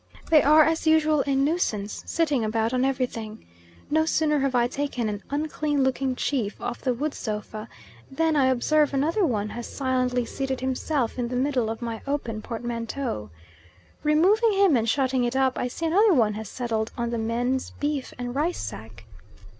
They are, as usual, a nuisance, sitting about on everything. No sooner have I taken an unclean looking chief off the wood sofa, than I observe another one has silently seated himself in the middle of my open portmanteau. Removing him and shutting it up, I see another one has settled on the men's beef and rice sack.